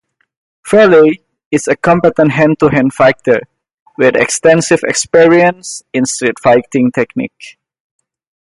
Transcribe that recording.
Fraley is a competent hand-to-hand fighter, with extensive experience in street-fighting techniques.